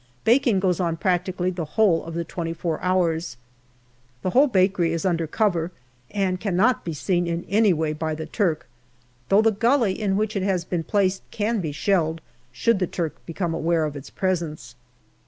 Baking goes on practically the whole of the twenty four hours. The whole bakery is under cover, and cannot be seen in any way by the Turk, though the gully in which it has been placed can be shelled, should the Turk become aware of its presence.